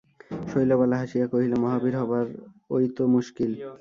শৈলবালা হাসিয়া কহিল, মহাবীর হবার ঐ তো মুশকিল।